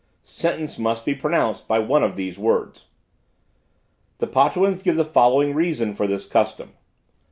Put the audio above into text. Sentence must be pronounced by one of these words. The Potuans give the following reason for this custom.